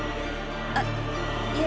あっいえ。